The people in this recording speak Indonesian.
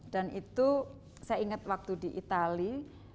dan itu saya ingat waktu di itali